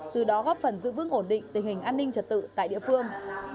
từ đó góp phần giữ vững ổn định tình hình an ninh trật tự tại địa phương